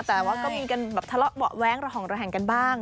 แต่ว่าก็มีกันแบบทะเลาะเบาะแว้งระห่องระแหงกันบ้าง